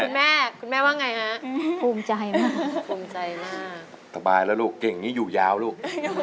คุณแม่คุณแม่ว่าไงฮะภูมิใจมากภูมิใจมากสบายแล้วลูกเก่งอย่างนี้อยู่ยาวลูก